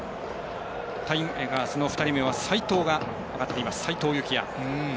タイガースの２人目は齋藤が上がっています、齋藤友貴哉。